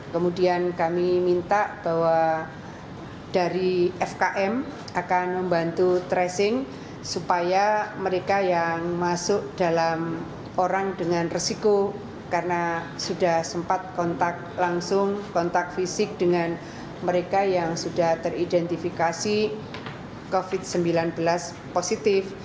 kemudian kami minta bahwa dari fkm akan membantu tracing supaya mereka yang masuk dalam orang dengan resiko karena sudah sempat kontak langsung kontak fisik dengan mereka yang sudah teridentifikasi covid sembilan belas positif